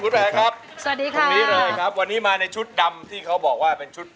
ร้องได้ให้ร้อง